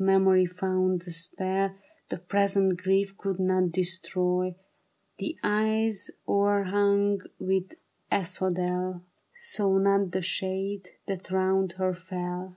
memory found a spell The present grief could not destroy ; The eyes o'erhung with asphodel, Saw not the shade that round her fell.